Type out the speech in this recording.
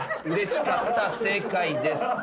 うれしかった正解です。